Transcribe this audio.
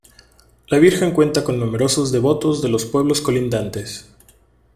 La virgen cuenta con numerosos devotos de los pueblos colindantes.